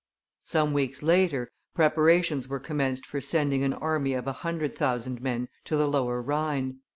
Some weeks later, preparations were commenced for sending an army of a hundred thousand men to the Lower Rhine.